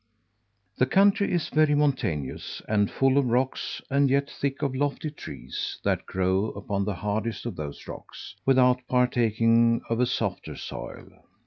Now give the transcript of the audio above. The country is very mountainous, and full of rocks, and yet thick of lofty trees, that grow upon the hardest of those rocks, without partaking of a softer soil.